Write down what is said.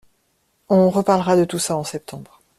On reparlera de tout ça en septembre.